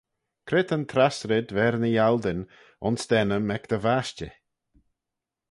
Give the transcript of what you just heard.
Cre ta'n trass red v'er ny yialdyn ayns dt'ennym ec dty vashtey?